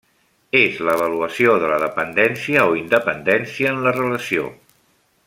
És l'avaluació de la dependència o independència en la relació.